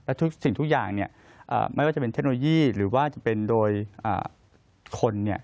และสิ่งทุกอย่างเนี่ยไม่ว่าจะเป็นเทคโนโลยีหรือว่าจะเป็นโดยคนเนี่ย